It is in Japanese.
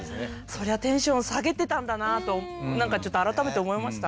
そりゃテンション下げてたんだなとなんかちょっと改めて思いました。